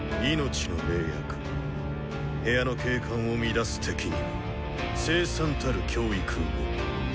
部屋の景観を乱す敵には凄惨たる「教育」を。